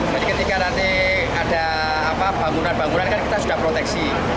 jadi ketika nanti ada bangunan bangunan kan kita sudah proteksi